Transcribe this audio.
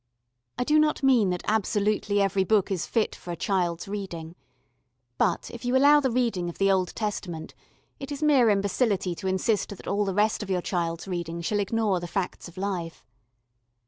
I do not mean that absolutely every book is fit for a child's reading, but if you allow the reading of the Old Testament it is mere imbecility to insist that all the rest of your child's reading shall ignore the facts of life.